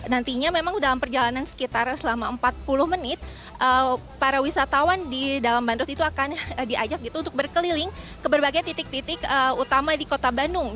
nantinya memang dalam perjalanan sekitar selama empat puluh menit para wisatawan di dalam bandros itu akan diajak gitu untuk berkeliling ke berbagai titik titik utama di kota bandung